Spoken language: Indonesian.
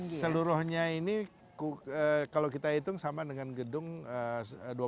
pembicara lima puluh enam seluruhnya ini kalau kita hitung sama dengan gedung dua puluh tiga lantai